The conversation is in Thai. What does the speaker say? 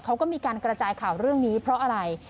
เขาก็มีการกระจายข่าวเรื่องนี้เพราะอะไร